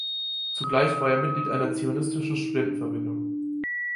Zugleich war er Mitglied eine Zionistischen Studentenverbindung.